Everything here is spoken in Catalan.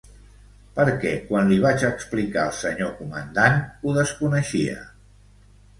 Perquè quan li vaig explicar al senyor Comandant, ho desconeixia.